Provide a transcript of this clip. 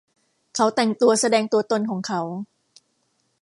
เขาแต่งตัวแสดงตัวตนของเขา